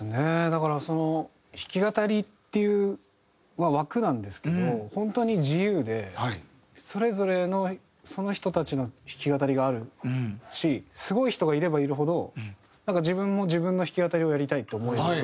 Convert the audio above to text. だからその弾き語りっていう枠なんですけど本当に自由でそれぞれのその人たちの弾き語りがあるしすごい人がいればいるほどなんか自分も自分の弾き語りをやりたいって思えるというか。